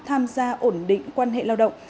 tham gia ổn định quan hệ lao động